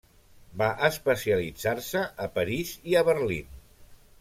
Va especialitzar-se a París i a Berlín.